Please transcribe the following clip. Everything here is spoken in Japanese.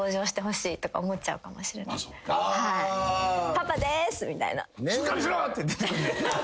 「パパでーす」みたいな。